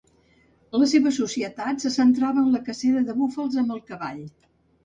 La seva societat se centrava en la cacera de búfals amb el cavall.